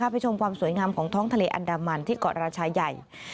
ไปชมความสวยงามของท้องทะเลอันดามันที่เกาะราชาใหญ่